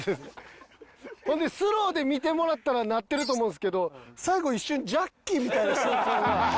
ほんでスローで見てもらったらなってると思うんですけど最後一瞬ジャッキーみたいな瞬間が。